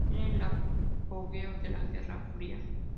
Era el apogeo de la Guerra Fría.